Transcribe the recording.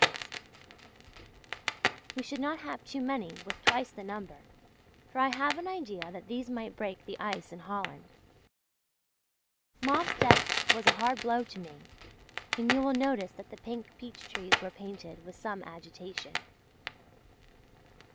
We should not have too many with twice the number; for I have an idea that these might break the ice in Holland. Mauve's death was a hard blow to me, and you will notice that the pink peach trees were painted with some agitation.